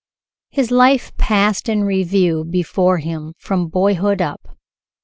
His life passed in review before him from boyhood up.